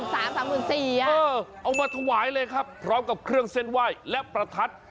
สามหมื่นสี่อ่ะเออเอามาถวายเลยครับพร้อมกับเครื่องเซ็นไวน์และประทัด